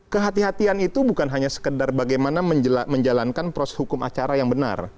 kehatian kehatian itu bukan hanya sekedar bagaimana menjalankan proses hukum acara yang benar